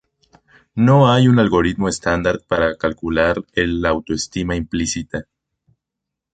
No hay un algoritmo estándar para calcular la autoestima implícita.